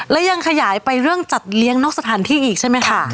และยังขยายไปเรื่องจัดเลี้ยงนอกสถานที่อีกใช่ไหมคะ